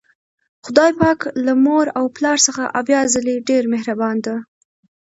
خدای پاک له مور او پلار څخه اویا ځلې ډیر مهربان ده